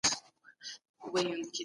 له چله ډډه کول ايماني صفت دی.